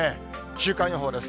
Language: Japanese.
週間予報です。